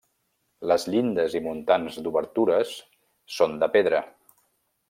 Les llindes i muntants d'obertures són de pedra.